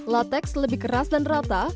latex lebih keras dan rata